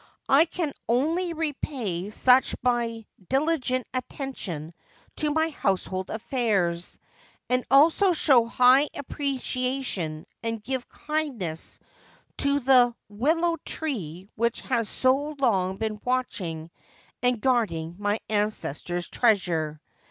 I can only repay such by diligent attention to my household affairs, and also show high appreciation and give kindness to the willow tree which has so long been watching and guarding my ancestor's treasure.